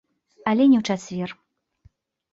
Але не ў чацвер.